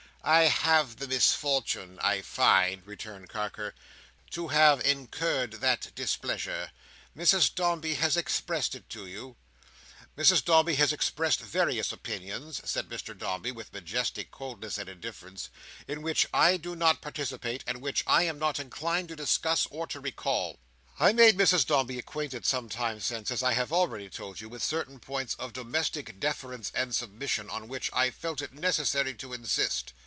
"I have the misfortune, I find," returned Carker, "to have incurred that displeasure. Mrs Dombey has expressed it to you?" "Mrs Dombey has expressed various opinions," said Mr Dombey, with majestic coldness and indifference, "in which I do not participate, and which I am not inclined to discuss, or to recall. I made Mrs Dombey acquainted, some time since, as I have already told you, with certain points of domestic deference and submission on which I felt it necessary to insist.